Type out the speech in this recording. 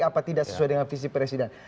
apa tidak sesuai dengan visi presiden